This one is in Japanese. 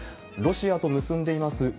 ロシアと結んでいます